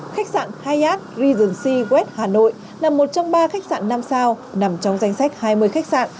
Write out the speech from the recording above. khách sạn hayat regency west hà nội là một trong ba khách sạn năm sao nằm trong danh sách hai mươi khách sạn